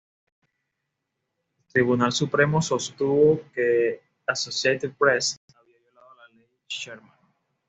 El Tribunal Supremo sostuvo que Associated Press había violado la Ley Sherman.